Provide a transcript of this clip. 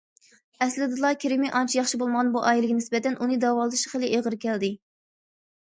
ئەسلىدىلا كىرىمى ئانچە ياخشى بولمىغان بۇ ئائىلىگە نىسبەتەن ئۇنى داۋالىتىش خېلى ئېغىر كەلدى.